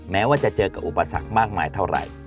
แม้ว่าจะเจอกับอุปสรรคมากมายเท่าไหร่